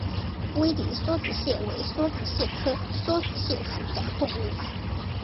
威迪梭子蟹为梭子蟹科梭子蟹属的动物。